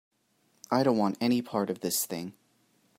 I don't want any part of this thing.